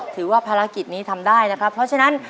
ถือว่าภารกิจนี้ทำได้นะครับเพราะฉะนั้น